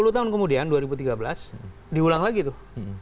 sepuluh tahun kemudian dua ribu tiga belas diulang lagi tuh